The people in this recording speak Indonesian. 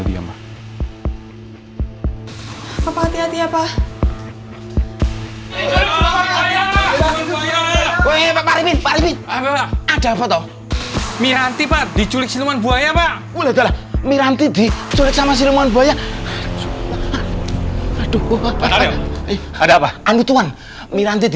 sampai jumpa di video selanjutnya